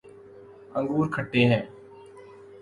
انگور کھٹے ہیں